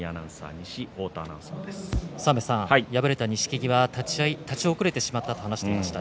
敗れた錦木は立ち合い立ち遅れししまったと話していました